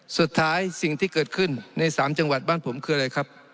สิ่งที่เกิดขึ้นใน๓จังหวัดบ้านผมคืออะไรครับ